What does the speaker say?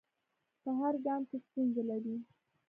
په هر ګام کې ستونزې لري.